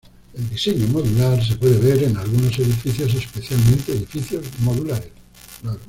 El diseño modular se puede ver en algunos edificios, especialmente edificios modulares.